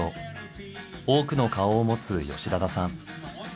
多くの顔を持つ吉田田さん。